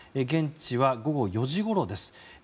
現地は午後４時ごろです。